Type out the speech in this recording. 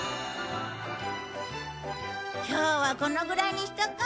今日はこのぐらいにしとこう。